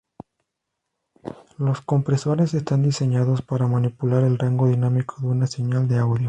Los compresores están diseñados para manipular el rango dinámico de una señal de audio.